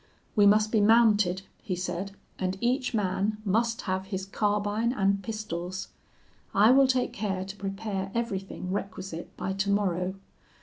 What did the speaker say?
'We must be mounted,' he said, 'and each man must have his carbine and pistols; I will take care to prepare everything requisite by tomorrow.